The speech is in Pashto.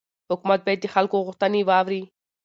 حکومت باید د خلکو غوښتنې واوري